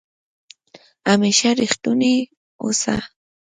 همېشه ریښتونی اوسه